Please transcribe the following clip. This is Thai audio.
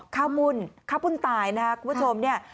ข้าวมุ่นข้าวปุ่นตายนะครับคุณผู้ชมเนี่ย